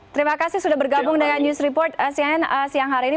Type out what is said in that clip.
terima kasih sudah bergabung dengan news report cnn siang hari ini